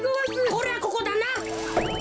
こりゃここだな。